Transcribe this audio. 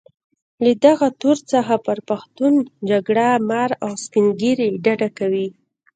له دغه تور څخه هر پښتون جرګه مار او سپين ږيري ډډه کوي.